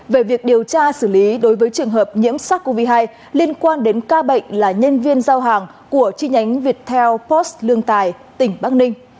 về việc điều tra xử lý đối với trường hợp nhiễm sars cov hai liên quan đến ca bệnh là nhân viên giao hàng của chi nhánh viettel post lương tài tỉnh bắc ninh